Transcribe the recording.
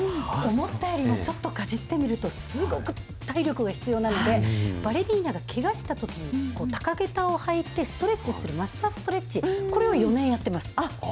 思ったよりも、ちょっとかじってみると、すごく体力が必要なので、バレリーナがけがしたときに、高下駄を履いて、ストレッチするマスターストレッチ、これを４年やってます。